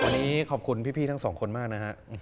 วันนี้ขอบคุณพี่ทั้งสองคนมากนะฮะ